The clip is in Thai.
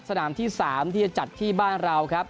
สนามที่๓ที่จะจัดที่บ้านเราครับ